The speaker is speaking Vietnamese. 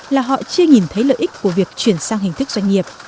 là họ chưa nhìn thấy lợi ích của việc chuyển sang hình thức doanh nghiệp